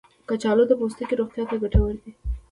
کچالو د پوستکي روغتیا ته ګټور دی.